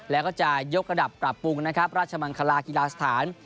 แล้วก็จะยกระดับปรับปรุงนะครับราชมังคลากีฬาสถาน